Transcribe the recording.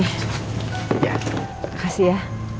terima kasih ya